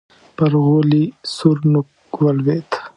پر غولي سور نوک ولوېد.